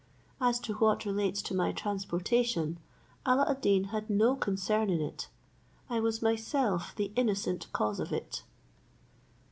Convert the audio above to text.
"As to what relates to my transportation, Alla ad Deen had no concern in it; I was myself the innocent cause of it."